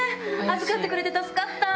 預かってくれて助かった。